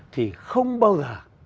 thì không bao giờ